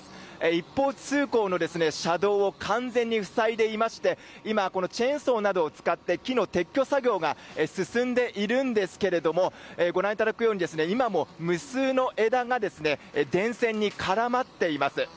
一方通行の車道を完全に塞いでいましてチェーンソーなどを使って木の撤去作業が進んでいるんですけどもご覧いただくように今、無数の枝が電線に絡まっています。